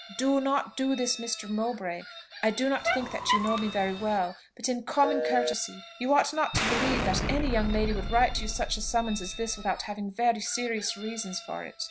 Do not do this, Mr. Mowbray. I do not think that you know me very well, but in common courtesy you ought not to believe that any young lady would write you such a summons as this without having very serious reasons for it.